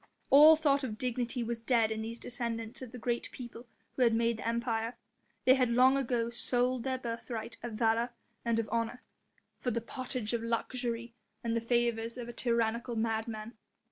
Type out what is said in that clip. All thought of dignity was dead in these descendants of the great people who had made the Empire; they had long ago sold their birthright of valour and of honour for the pottage of luxury and the favours of a tyrannical madman.